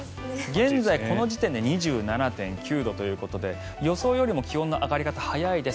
現在、この時点で２７．９度ということで予想よりも気温の上がり方早いです。